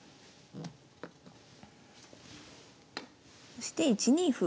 そして１二歩。